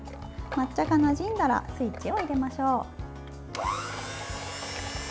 抹茶がなじんだらスイッチを入れましょう。